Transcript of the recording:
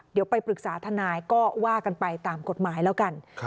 เดี๋ยวไปปรึกษาทนายก็ว่ากันไปตามกฎหมายแล้วกัน